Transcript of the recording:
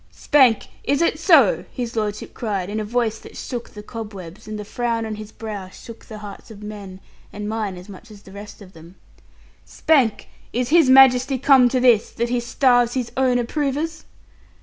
'Spank, is it so?' his lordship cried, in a voice that shook the cobwebs, and the frown on his brow shook the hearts of men, and mine as much as the rest of them, 'Spank, is His Majesty come to this, that he starves his own approvers?'